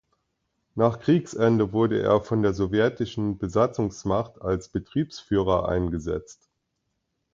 Nach Kriegsende wurde er von der sowjetischen Besatzungsmacht als Betriebsführer eingesetzt.